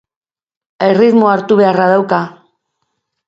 Erritmoa hartu beharra dauka.